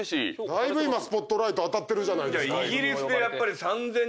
だいぶ今スポットライト当たってるじゃないですか。